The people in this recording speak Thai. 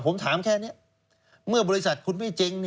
ผมถามแค่นี้เมื่อบริษัทคุณไม่จริง